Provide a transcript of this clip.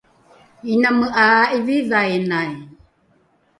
iname ’a a’ivivainai